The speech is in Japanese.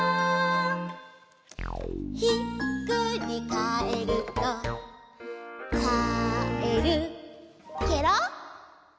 「ひっくりかえるとかえるケロ」